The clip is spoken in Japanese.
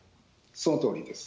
そのとおりです。